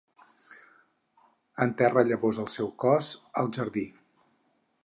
Enterra llavors el seu cos al jardí.